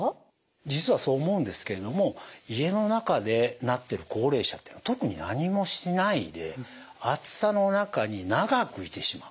実はそう思うんですけれども家の中でなってる高齢者っていうのは特に何もしないで暑さの中に長くいてしまう。